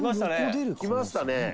「きましたね」